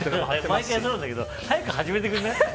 毎回思うんだけど早く始めてくれない？